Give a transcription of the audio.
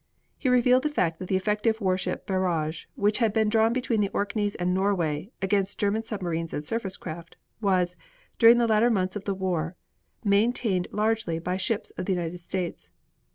He revealed the fact that the effective warship barrage, which had been drawn between the Orkneys and Norway against German submarines and surface craft, was, during the later months of the war, maintained largely by ships of the United States.